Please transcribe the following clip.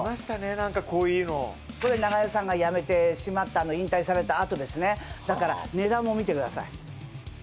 何かこういうのこれ長与さんが辞めてしまった引退されたあとですねだから値段も見てください